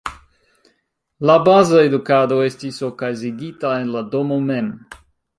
La baza edukado estis okazigita en la domo mem.